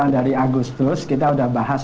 dari agustus kita udah bahas